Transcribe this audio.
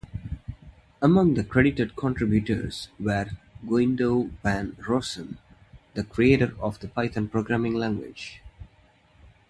Among the credited contributors were Guido van Rossum, creator of the Python programming language.